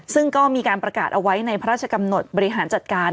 ซึ่งก็มีการประกาศเอาไว้ในพระราชกำหนดบริหารจัดการ